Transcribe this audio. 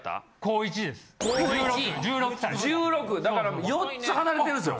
１６だから４つ離れてるんですよ。